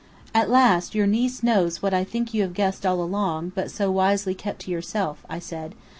"At last your niece knows what I think you have guessed all along, but so wisely kept to yourself," I said.